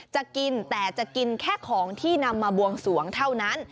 จะกินแต่จะกินแค่ของที่นำมาบวงสวงเท่านั้น